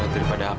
terima kasih bu